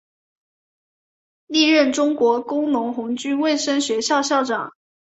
历任中国工农红军卫生学校校长。